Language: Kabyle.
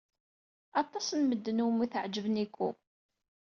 Aṭas n medden umi teɛjeb Nikko.